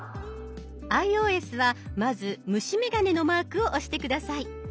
ｉＯＳはまず虫眼鏡のマークを押して下さい。